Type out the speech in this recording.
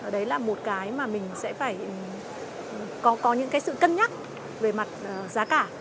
đấy là một cái mà mình sẽ phải có những cái sự cân nhắc về mặt giá cả